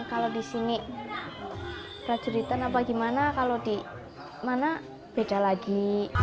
kalau di sini prajuritan apa gimana kalau di mana beda lagi